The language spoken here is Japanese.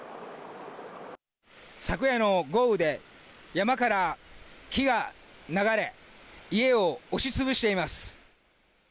昨夜の豪雨で、山から木が流れ、家を押しつぶしています。